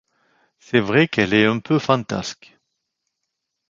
C’est vrai qu’elle est un peu fantasque.